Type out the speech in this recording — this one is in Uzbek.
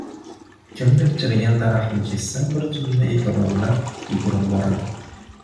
Kimdir chirigan daraxtni kessa, bir zumda ekologlar yugurib boradi?